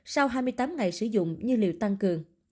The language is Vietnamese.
sau hai mươi tám ngày sử dụng như liều tăng cường